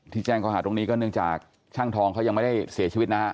แจ้งเขาหาตรงนี้ก็เนื่องจากช่างทองเขายังไม่ได้เสียชีวิตนะฮะ